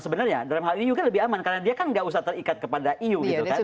sebenarnya dalam hal ini uk lebih aman karena dia kan nggak usah terikat kepada eu gitu kan